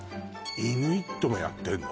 イヌイットもやってんの？